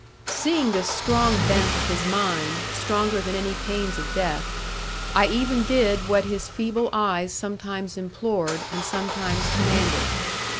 Seeing this strong bent of his mind, stronger than any pains of death, I even did what his feeble eyes sometimes implored, and sometimes commanded.